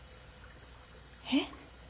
えっ？